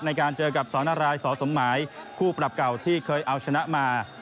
ในการเจอกับสนรายสอสมหมายคู่ปรับเก่าที่เคยเอาชนะมา